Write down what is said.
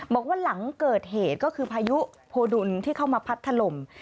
บอกว่าหลังเกิดเหตุก็คือพายุโพดุลที่เข้ามาพัดถล่ม